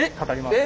えっ！